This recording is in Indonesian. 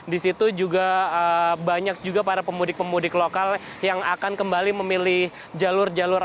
di situ juga banyak juga para pemudik pemudik lokal yang akan kembali memilih jalur jalur